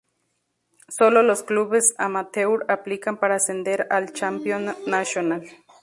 Sólo los clubes amateur aplican para ascender al Championnat National.